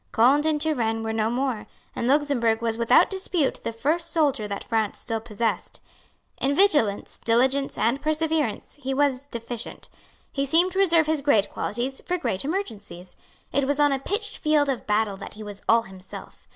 Conde and Turenne were no more; and Luxemburg was without dispute the first soldier that France still possessed. In vigilance, diligence and perseverance he was deficient. He seemed to reserve his great qualities for great emergencies. It was on a pitched field of battle that he was all himself.